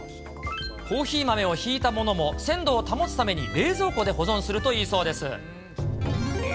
コーヒー豆をひいたものも鮮度を保つために冷蔵庫で保存するといいそうです。